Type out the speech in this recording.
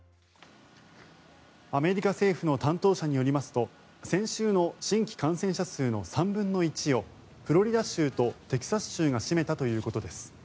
アメリカ政府の担当者によりますと先週の新規感染者数の３分の１をフロリダ州とテキサス州が占めたということです。